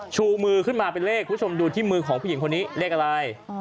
ชูมือขึ้นมาเป็นเลขดูที่มือของผู้หญิงคนนี้เล็กอะไร